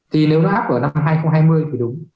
thì nếu nó áp vào năm hai nghìn hai mươi thì đúng